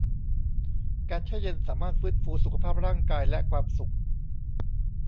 การแช่เย็นสามารถฟื้นฟูสุขภาพร่างกายและความสุข